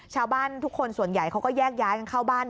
ชาวบ้านทุกคนส่วนใหญ่เขาก็แยกย้ายกันเข้าบ้าน